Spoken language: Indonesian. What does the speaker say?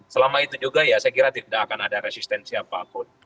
selama itu juga ya saya kira tidak akan ada resistensi apapun